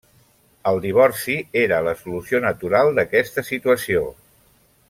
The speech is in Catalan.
El divorci era la solució natural d'aquesta situació.